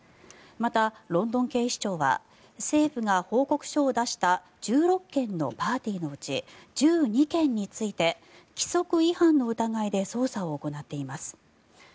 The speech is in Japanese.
また、ロンドン警視庁は政府が報告書を出した１６件のパーティーのうち１２件について規則違反の疑いで捜査を行っています。